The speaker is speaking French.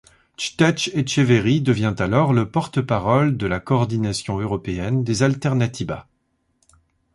Txtetx Etcheverry devient alors le porte-parole de la coordination européenne des Alternatiba.